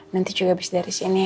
nanti juga abis dari si andi ya